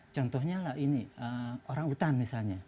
contohnya lah ini orang utan misalnya